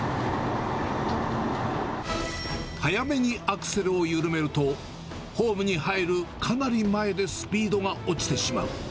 早めにアクセルを緩めると、ホームに入るかなり前でスピードが落ちてしまう。